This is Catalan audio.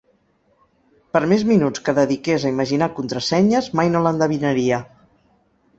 Per més minuts que dediqués a imaginar contrasenyes, mai no l'endevinaria.